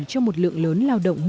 cho một lượng lớn lao động